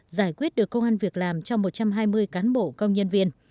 giải quyết được công an việc làm cho một trăm hai mươi cán bộ công nhân viên